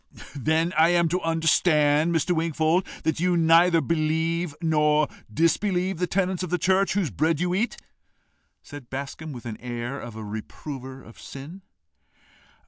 "Then I am to understand, Mr. Wingfold, that you neither believe nor disbelieve the tenets of the church whose bread you eat?" said Bascombe, with the air of a reprover of sin.